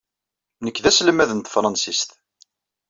Nekk d aselmad n tefṛensist.